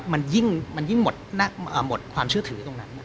มันยิ่งหมดความเชื่อถือตรงนั้น